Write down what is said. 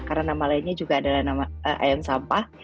karena nama lainnya juga adalah ayam sampah